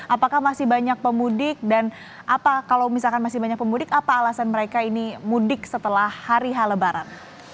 apakah masih banyak pemudik dan apa kalau misalkan masih banyak pemudik apa alasan mereka ini mudik setelah hari h lebaran